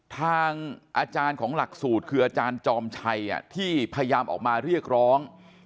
ทางอาจารย์ของหลักสูตรคืออาจารย์จอมชัยที่พยายามออกมาเรียกร้อง